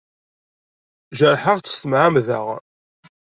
Jerḥeɣ-tt s tmeɛmada.